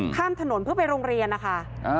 ข้ามถนนเพื่อไปโรงเรียนนะคะ